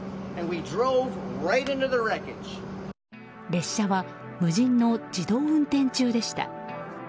列車は無人の自動運転中でした。